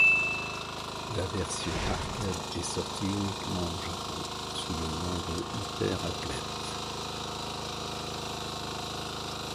La version arcade est sorti uniquement au Japon sous le nom de Hyper Athlete.